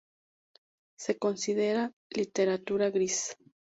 Se considera literatura gris.